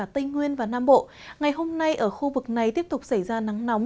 tây nguyên và nam bộ ngày hôm nay ở khu vực này tiếp tục xảy ra nắng nóng